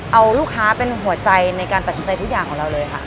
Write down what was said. เอาลูกค้าเป็นหัวใจในการตัดสินใจทุกอย่างของเราเลยค่ะ